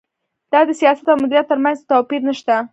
دا د سیاست او مدیریت ترمنځ توپیر نشته.